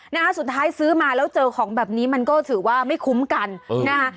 นะฮะสุดท้ายซื้อมาแล้วเจอของแบบนี้มันก็ถือว่าไม่คุ้มกันนะคะ